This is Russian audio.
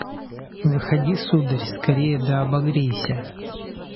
Выходи, сударь, скорее да обогрейся.